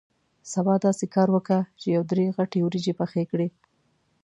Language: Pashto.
سبا داسې کار وکه چې یو درې غټې وریجې پخې کړې.